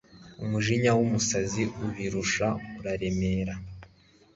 umujinya w'umusazi ubirusha uraremera